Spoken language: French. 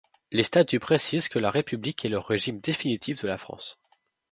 Les statuts précisent que la République est le régime définitif de la France.